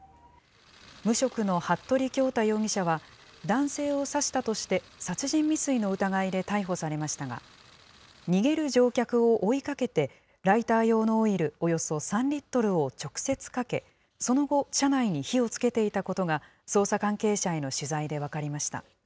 無職の服部恭太容疑者は、男性を刺したとして、殺人未遂の疑いで逮捕されましたが、逃げる乗客を追いかけて、ライター用のオイルおよそ３リットルを直接かけ、その後、車内に火をつけていたことが捜査関係者への取材で分かりました。